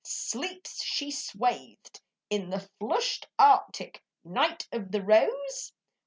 Sleeps she swathed in the flushed Arctic Night of the rose?